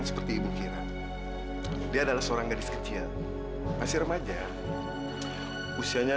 sampai jumpa di video selanjutnya